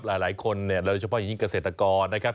หลายคนใช่หรือเฉพาะอย่างงี้เกษตรกรนะครับ